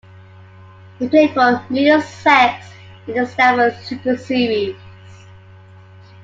He played for Middlesex in the Stanford Super Series.